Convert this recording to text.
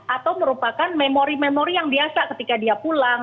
atau merupakan memori memori yang biasa ketika dia pulang